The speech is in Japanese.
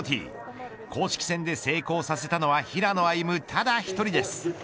公式戦で成功させたのは平野歩夢ただ１人です。